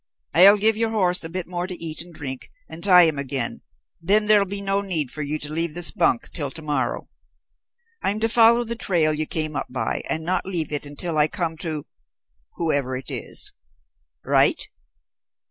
I'll give your horse a bit more to eat and drink, and tie him again, then there'll be no need for you to leave this bunk until to morrow. I'm to follow the trail you came up by, and not leave it until I come to whoever it is? Right.